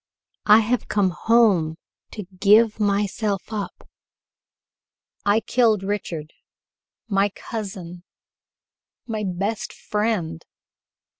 I have come home to give myself up. I killed Richard my cousin my best friend.